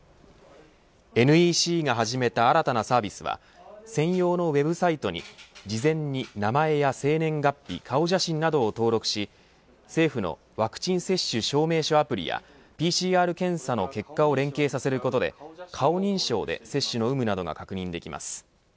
ＮＥＣが始めた新たなサービスは専用のＷＥＢサイトに事前に名前や生年月日顔写真などを登録し政府のワクチン接種証明書アプリやＰＣＲ検査の結果を連携させることで顔認証で接種の有無などが確認できます。